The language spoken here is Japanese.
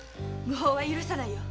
無法は許さないよ。